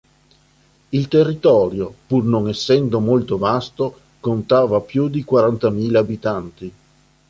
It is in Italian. Il territorio, pur non essendo molto vasto, contava più di quarantamila abitanti.